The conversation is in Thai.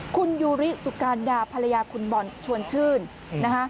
คุณยูริสุการดาภรรยาคุณบอลชวนชื่นนะคะ